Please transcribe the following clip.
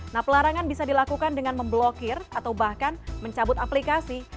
nah pelarangan bisa dilakukan dengan memblokir atau bahkan mencabut aplikasi